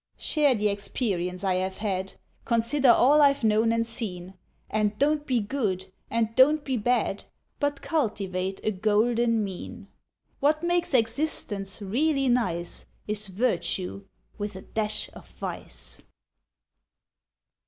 Share the Experience I have had, Consider all I've known and seen, And Don't be Good, and Don't be Bad, But cultivate a Golden Mean. What makes Existence really nice Is Virtue with a dash of Vice.